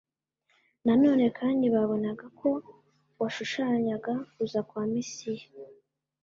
Na none kandi babonaga ko washushanyaga kuza kwa Mesiya.